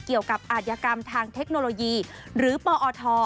เกี่ยวกับอาทยากรรมทางเทคโนโลยีหรือปอท